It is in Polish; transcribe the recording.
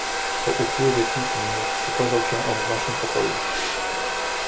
"Po upływie kilku minut ukazał się on w naszym pokoju."